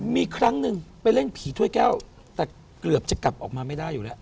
มีครั้งหนึ่งไปเล่นผีถ้วยแก้วแต่เกือบจะกลับออกมาไม่ได้อยู่แล้ว